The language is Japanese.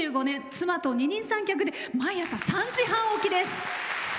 妻と二人三脚で毎朝３時半起きです。